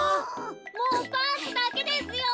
もうパンツだけですよ。